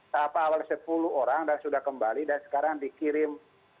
tahap awal sepuluh orang dan sudah kembali dan sekarang dikirim